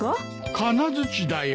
金づちだよ。